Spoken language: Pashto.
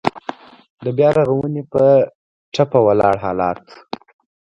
د بيا رغونې په ټپه ولاړ حالات.